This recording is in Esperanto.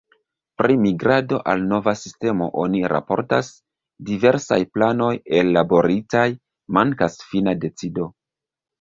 Pri migrado al nova sistemo oni raportas ”Diversaj planoj ellaboritaj, mankas fina decido”.